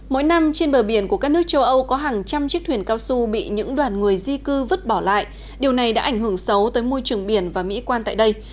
mỗi năm trên bờ biển của các nước châu âu có hàng trăm chiếc thuyền cao su bị những đoàn người di cư vứt bỏ lại điều này đã ảnh hưởng xấu tới môi trường biển và mỹ quan tại đây